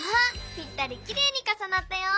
ぴったりきれいにかさなったよ！